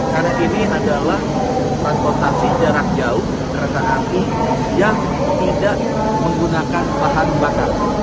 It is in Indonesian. karena ini adalah transportasi jarak jauh terasa api yang tidak menggunakan bahan bakar